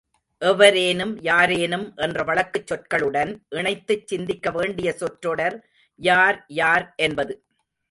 எவரேனும், யாரேனும் என்ற வழக்குச் சொற்களுடன் இணைத்துச் சிந்திக்க வேண்டிய சொற்றொடர் யார் யார் என்பது.